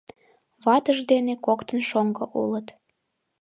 Ватыж дене коктын шоҥго улыт.